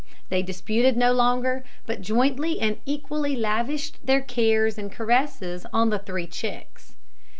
They disputed no longer, but jointly and equally lavished their cares and caresses on the three chicks.